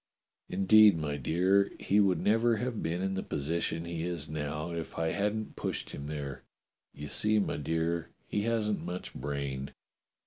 Indeed, my dear, he would never have been in the position he is now if I hadn't pushed him there. You see, my dear, he hasn't much brain.